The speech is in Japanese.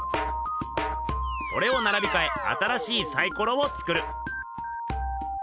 それをならびかえ新しいサイコロを作る。